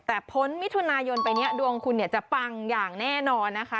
แต่พ้นมิถุนายนไปเนี่ยดวงคุณเนี่ยจะปังอย่างแน่นอนนะคะ